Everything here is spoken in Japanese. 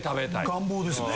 願望ですね。